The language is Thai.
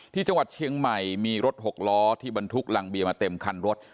ที่จังหวัดเชียงใหม่มีรถหกล้อที่บรรทุกรังเบียมาเต็มคันรถ